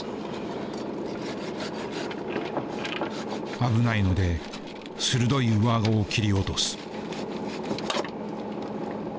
危ないので鋭い上あごを切り落とす。